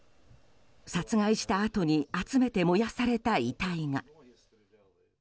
殺害したあとに集めて燃やされた遺体が。